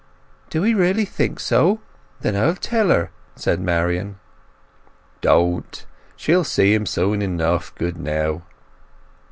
"D'ye really think so? Then I'll tell her," said Marian. "Don't. She'll see him soon enough, good now."